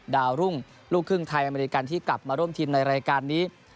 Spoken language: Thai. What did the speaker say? ดาวรุ่งลูกครึ่งไทยอเมริกันที่กลับมาร่วมทีมในรายการนี้